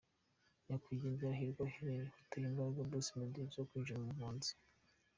Nyakwigendera Hirwa Henry wateye imbaraga Bruce Melody zo kwinjira mu buhanzi.